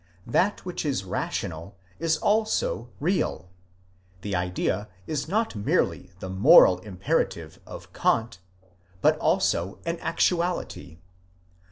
'That which is rational is also real; the idea is not merely the moral imperative of Kant, but also an actu ality.